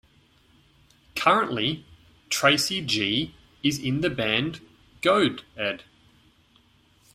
Currently, Tracy G is in the band Goad-ed.